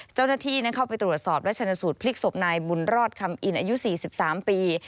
เจ้าหน้าที่นั้นเข้าไปตรวจสอบและชนะสูตรพลิกศพนายบุญรอดคำอินอายุ๔๓ปี